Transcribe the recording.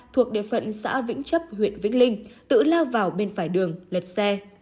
thuộc địa phận xã vĩnh chấp huyện vĩnh linh tự lao vào bên phải đường lật xe